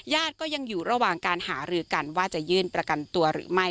ก็ยังอยู่ระหว่างการหารือกันว่าจะยื่นประกันตัวหรือไม่